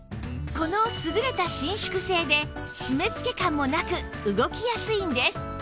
この優れた伸縮性で締めつけ感もなく動きやすいんです